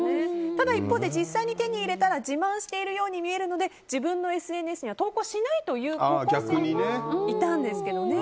ただ一方で実際に手に入れたら自慢しているように見えるので自分のＳＮＳには投稿しないという高校生もいたんですけどね。